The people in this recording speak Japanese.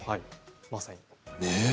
まさに。